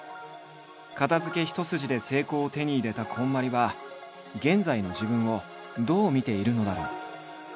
片づけ一筋で成功を手に入れたこんまりは現在の自分をどう見ているのだろう？